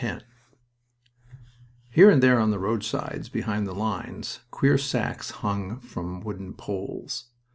X Here and there on the roadsides behind the lines queer sacks hung from wooden poles.